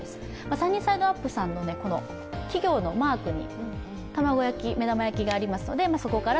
サニーサイドアップさんの企業のマークに卵焼き、目玉焼きがありますから